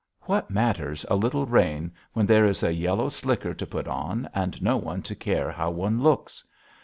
What matters a little rain when there is a yellow slicker to put on and no one to care how one looks?